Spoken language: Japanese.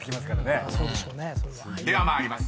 ［では参ります。